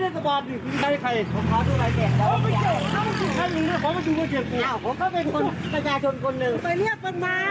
ฉันไม่ได้มีอะไรมันไม่มีอะไร